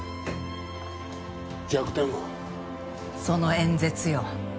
その演説よ。